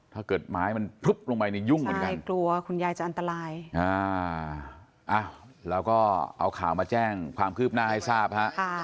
ถ้าเกิดไม้มันพลุบลงไปนี่ยุ่งเหมือนกันไม่กลัวคุณยายจะอันตรายแล้วก็เอาข่าวมาแจ้งความคืบหน้าให้ทราบฮะ